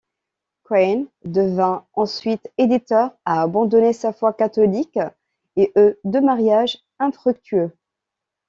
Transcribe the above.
Quinn devint ensuite éditeur, a abandonné sa foi catholique, et eut deux marriages infructueux.